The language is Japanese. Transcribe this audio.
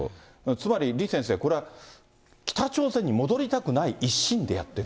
つまり、李先生、これ、北朝鮮に戻りたくない一心でやってる。